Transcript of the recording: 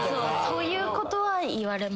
そういうことは言われます。